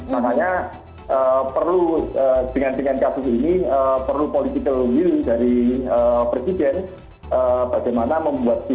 makanya perlu dengan kasus ini perlu political will dari presiden bagaimana membuat